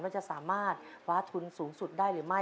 ว่าจะสามารถคว้าทุนสูงสุดได้หรือไม่